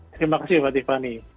terima kasih mbak tiffany